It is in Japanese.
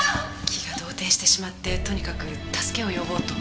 気が動転してしまってとにかく助けを呼ぼうと。